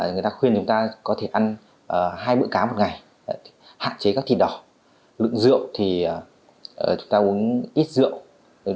người ta khuyên chúng ta có thể ăn hai bữa cá một ngày hạn chế các thịt đỏ lượng rượu thì chúng ta uống ít rượu